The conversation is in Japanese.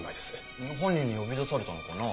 犯人に呼び出されたのかな？